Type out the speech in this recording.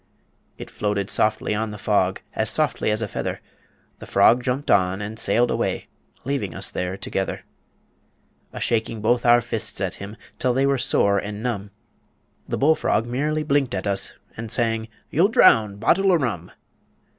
"It floated softly on the fog. As softly as a feather; The frog jumped on and sailed away, Leaving us there together "A shaking both our fists at him Till they were sore and numb. The bull frog merely blinked at us, And sang: 'You'll drown! BOTTLE O' RUM!'